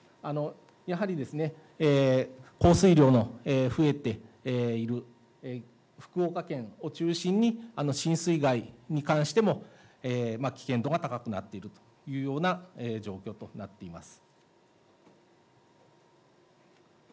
やはり、降水量の増えている福岡県を中心に浸水害に関しても危険度が高くなっているというような状況となっています。